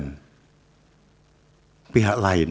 agar tidak merugikan pihak lain